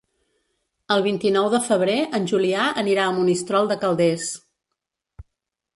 El vint-i-nou de febrer en Julià anirà a Monistrol de Calders.